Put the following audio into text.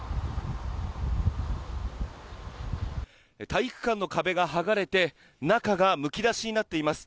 体育館の壁が剥がれて中がむき出しになっています。